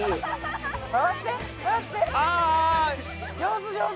上手上手。